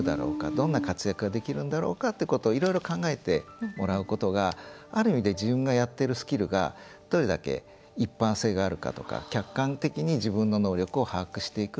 どんな活躍ができるんだろうかっていうことをいろいろ考えてもらうことがある意味で自分がやっているスキルがどれだけ一般性があるかとか客観的に自分の能力を把握していく。